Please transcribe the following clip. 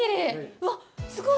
うわっ、すごい。